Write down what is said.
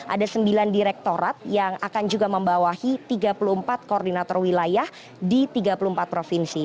ada sembilan direktorat yang akan juga membawahi tiga puluh empat koordinator wilayah di tiga puluh empat provinsi